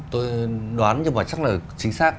tôi đoán nhưng mà chắc là chính xác